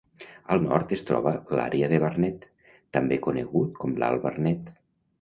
Al nord es troba l'àrea de Barnet, també conegut com l'Alt Barnet.